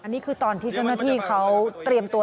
นี่คือตอนที่เจ้าหน้าที่เขาเตรียมตัว